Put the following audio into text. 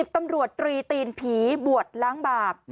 ตำรวจตรีตีนผีบวชล้างบาป